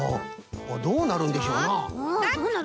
どうなるんでしょうな。